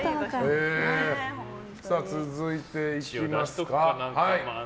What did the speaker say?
続いて、いきますか。